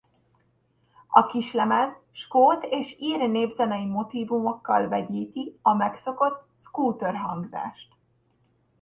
A kislemez skót és ír népzenei motívumokkal vegyíti a megszokott Scooter-hangzást.